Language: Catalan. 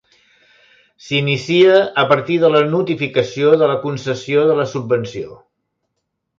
S'inicia a partir de la notificació de la concessió de la subvenció.